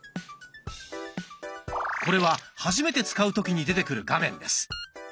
これは初めて使う時に出てくる画面です。